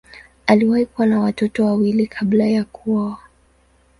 Aliwahi kuwa na watoto wawili kabla ya kuoa.